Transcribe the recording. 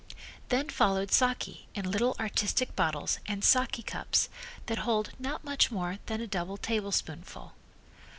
Then followed saki in little artistic bottles and saki cups that hold not much more than a double tablespoonful.